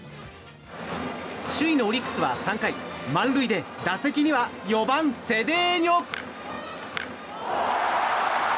首位のオリックスは３回満塁で打席には４番セデーニョ。